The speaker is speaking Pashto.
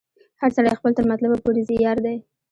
هر سړی خپل تر مطلبه پوري یار دی